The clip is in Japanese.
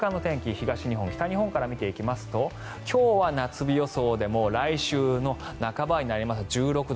東日本、北日本から見ていきますと今日は夏日予想でも来週の半ばになりますと１６度。